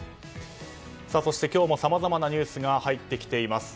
そして今日もさまざまなニュースが入ってきています。